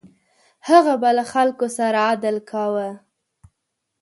هغه به له خلکو سره عدل کاوه.